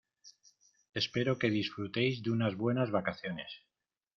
Espero que disfrutéis de unas buenas vacaciones.